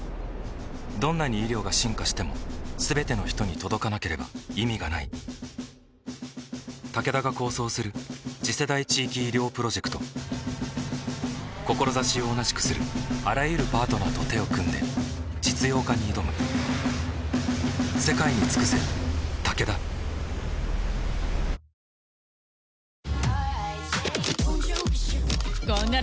どんなに医療が進化しても全ての人に届かなければ意味がないタケダが構想する次世代地域医療プロジェクト志を同じくするあらゆるパートナーと手を組んで実用化に挑む私たちはニッセイの職員である前にこの町の一員です